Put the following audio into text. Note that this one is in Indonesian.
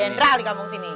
jendral dikampung sini